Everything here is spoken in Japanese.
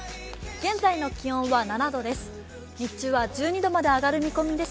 現在の気温は７度です。